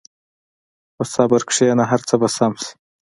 په صبر کښېنه، هر څه به سم شي.